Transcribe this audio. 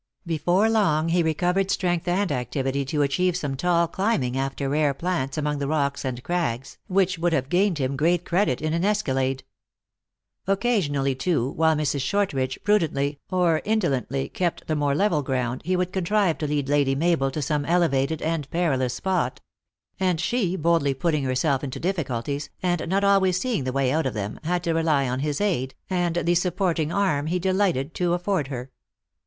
Before long he recovered strength and activity to achieve some tall climbing after rare plants among the rocks and crags, which would have gained him great credit in an escalade. Occasionally too, while Mrs. Shortridge prudently, or indolently, kept the more level ground he would contrive to lead Lady Mabel to some elevated and perilous spot and she boldly putting herself into difficulties, and not always seeing the way out of them, had to rely on his aid, and the supporting arm he delighted to afford her.